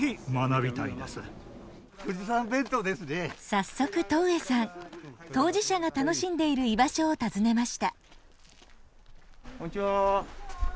早速戸上さん当事者が楽しんでいる居場所を訪ねました。